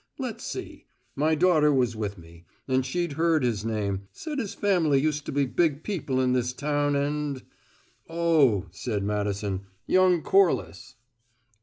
Let's see: my daughter was with me, and she'd heard his name said his family used to be big people in this town and " "Oh," said Madison, "young Corliss."